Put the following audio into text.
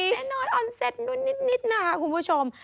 แน่นอนออนเซ็ตดูนิดนะคะคุณผู้ชม